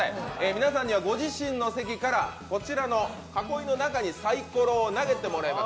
皆さんには、ご自身の席から囲いの中にサイコロを投げてもらいます。